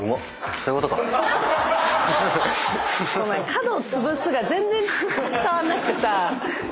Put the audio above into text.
「角をつぶす」が全然伝わんなくてさ。